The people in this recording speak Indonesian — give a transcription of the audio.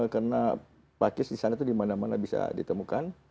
karena pakis di sana itu di mana mana bisa ditemukan